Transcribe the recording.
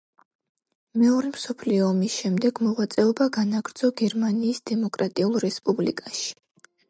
მეორე მსოფლიო ომის შემდეგ მოღვაწეობა განაგრძო გერმანიის დემოკრატიულ რესპუბლიკაში.